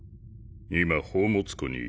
今宝物庫にいる。